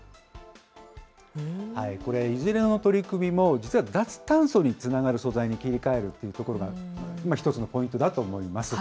これ、いずれの取り組みも実は脱炭素につながる素材に切り替えるというところが一つのポイントだと思います。